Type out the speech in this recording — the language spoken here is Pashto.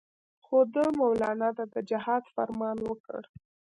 خو ده مولنا ته د جهاد فرمان ورکړ.